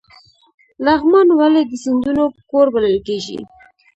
لغمان ولې د سیندونو کور بلل کیږي؟